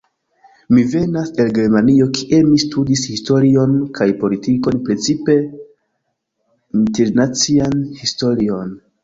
Mi venas el Germanio, kie mi studis historion kaj politikon, principe internacian historion.